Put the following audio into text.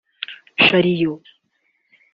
Shariyo